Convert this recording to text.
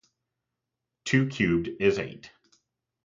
Two cubed is eight.